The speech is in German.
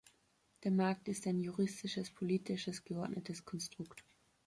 Der Markt ist ein juristisches, politisches, geordnetes Konstrukt.